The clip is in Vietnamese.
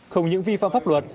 không những vi phạm pháp luật